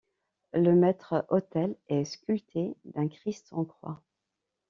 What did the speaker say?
Le maître-autel est sculpté d'un christ en croix.